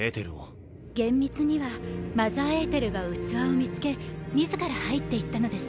厳密にはマザーエーテルが器を見つけ自ら入っていったのです。